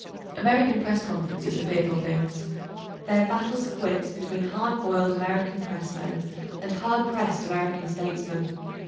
American Press conferences are fearful things. They are battles of wits between hard boiled American Pressmen and hard pressed American statesmen.